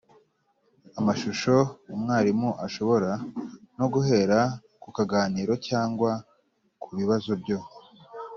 amashusho, umwarimu ashobora no guhera ku kaganiro cyangwa ku bibazo byo